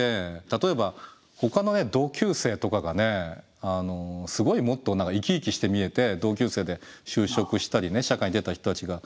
例えばほかの同級生とかがねすごいもっと生き生きして見えて同級生で就職したり社会に出た人たちが。